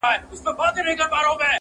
شمع نه په زړه کي دښمني لري-